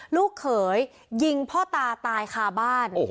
ลูกเขยยิงพ่อตาตายคาบ้าน